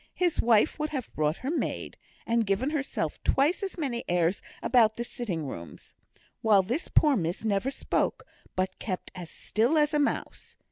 His wife would have brought her maid, and given herself twice as many airs about the sitting rooms; while this poor miss never spoke, but kept as still as a mouse.